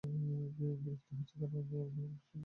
বিরক্ত হচ্ছি, কারণ আপনি আমার সময় নষ্ট করছেন।